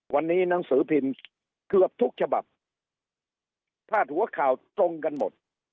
วันนี้หนังสือพิมพ์เกือบทุกฉบับพาดหัวข่าวตรงกันหมด